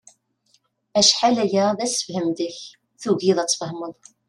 Acḥal aya d asefhem deg-k, tugiḍ ad tfehmeḍ.